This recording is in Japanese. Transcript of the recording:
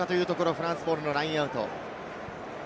フランスボールのラインアウト。